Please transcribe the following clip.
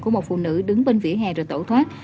của một phụ nữ đứng bên vỉa hè rồi tẩu thoát